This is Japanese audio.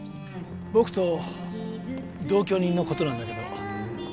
僕と同居人のことなんだけど。